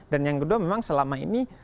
dan yang kedua memang selama ini